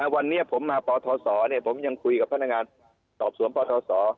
วันนี้ผมมาปทศผมยังคุยกับพนักงานสอบสวนปทศ